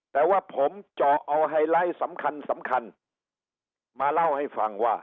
แต่ว่าผมเจาะเอาไฮไลท์สำคัญมาเล่าให้ฟังว่า